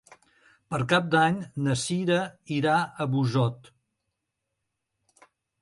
Per Cap d'Any na Sira irà a Busot.